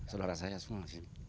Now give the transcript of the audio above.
saudara saya semua